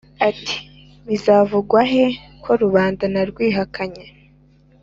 ati"bizavugwahe ko rubanda na rwihakanye